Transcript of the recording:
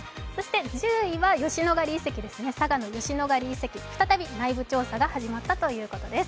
１０位は佐賀の吉野ヶ里遺跡再び内部調査が始まったということです。